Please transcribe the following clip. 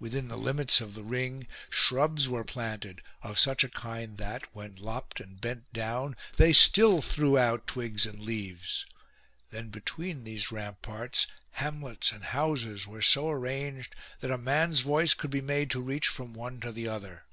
Within the limits of the ring shrubs were planted of such a kind that, when lopped and bent down, they still threw out twigs and leaves. Then between these ramparts hamlets and houses were so arranged that a man's 1 06 DESTRUCTION OF THE HUNS voice could be made to reach from one to the other.